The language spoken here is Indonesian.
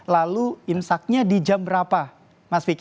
lalu imsaknya di jam berapa mas vicky